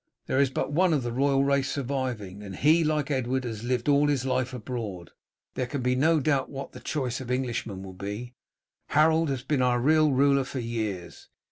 There is but one of the royal race surviving, and he, like Edward, has lived all his life abroad. There can be no doubt what the choice of Englishmen will be. Harold has been our real ruler for years.